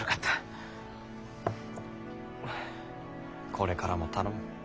これからも頼む。